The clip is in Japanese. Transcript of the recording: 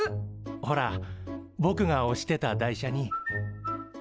ほらぼくがおしてた台車に。